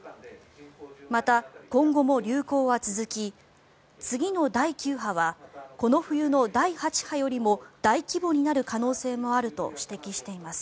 また、今後も流行は続き次の第９波はこの冬の第８よりも大規模になる可能性もあると指摘しています。